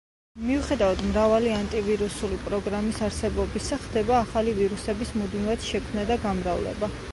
მიუხედავად მრავალი ანტივირუსული პროგრამის არსებობისა, ხდება ახალი ვირუსების მუდმივად შექმნა და გამრავლება.